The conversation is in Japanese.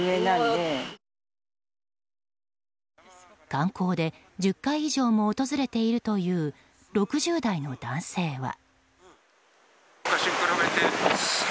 観光で１０回以上も訪れているという６０代の男性は。